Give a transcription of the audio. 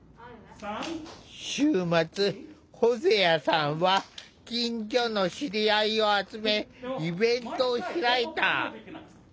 週末ホゼアさんは近所の知り合いを集めイベントを開いた。